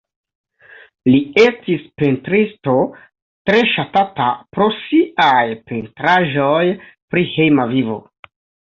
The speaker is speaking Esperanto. Li estis pentristo tre ŝatata pro siaj pentraĵoj pri hejma vivo.